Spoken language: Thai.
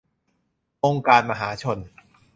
องค์การมหาชน